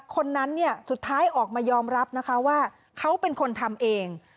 คนนั้นเนี่ยสุดท้ายออกมายอมรับนะคะว่าเขาเป็นคนทำเอง